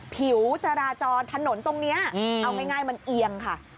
ผิวจราจรถนนตรงนี้เอาง่ายมันเอียงค่ะ